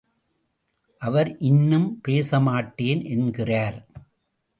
அவர் இன்னும் பேசமாட்டேன் என்கிறார்.